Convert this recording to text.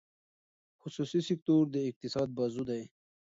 خصوصي سکتور د اقتصاد بازو دی.